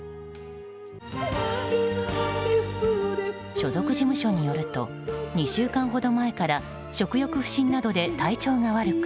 所属事務所によると２週間ほど前から食欲不振などで体調が悪く